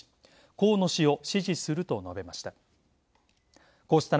河野氏を支持すると述べました。